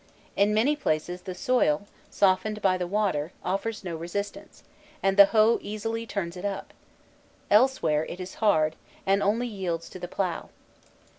In many places, the soil, softened by the water, offers no resistance, and the hoe easily turns it up; elsewhere it is hard, and only yields to the plough.